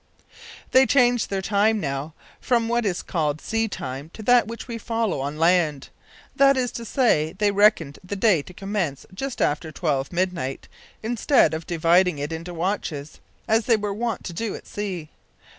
They changed their time, now, from what is called sea time to that which we follow on land. That is to say, they reckoned the day to commence just after twelve, midnight, instead of dividing it into watches, as they were wont to do at sea.